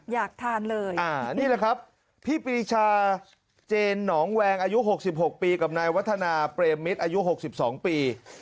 อยากทานเลยนี่แหละครับพี่ปีชาเจนหนองแวงอายุ๖๖ปีกับนายวัฒนาเปรมมิตรอายุ๖๒ปี